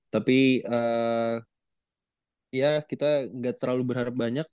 tapi ya kita gak terlalu berharap banyak